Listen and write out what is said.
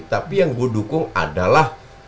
tapi yang gue dukung adalah